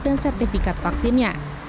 dan sertifikat vaksinnya